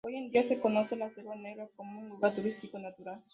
Hoy en día se conoce la Selva Negra como un lugar turístico natural.